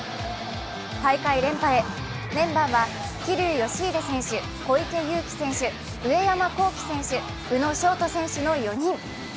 大会連覇へ、メンバーは桐生祥秀選手、小池祐貴選手、上山紘輝選手、宇野勝翔選手の４人。